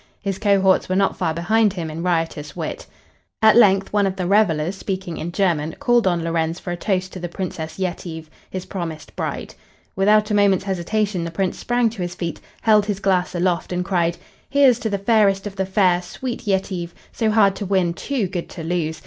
His cohorts were not far behind him in riotous wit. At length one of the revelers, speaking in German, called on Lorenz for a toast to the Princess Yetive, his promised bride. Without a moment's hesitation the Prince sprang to his feet, held his glass aloft, and cried: "Here's to the fairest of the fair, sweet Yetive, so hard to win, too good to lose.